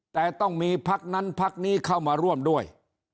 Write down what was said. แต่ต้องมีพักนั้นพักนี้เข้ามาร่วมด้วย